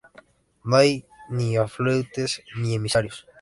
No hay ni afluentes ni emisarios.